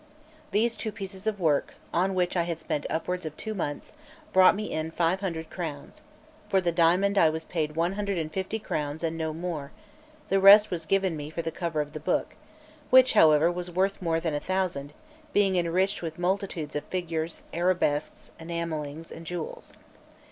These two pieces of work, on which I had spent upwards of two months, brought me in five hundred crowns: for the diamond I was paid one hundred and fifty crowns and no more; the rest was given me for the cover of the book, which, however, was worth more than a thousand, being enriched with multitudes of figures, arabesques, enamellings, and jewels.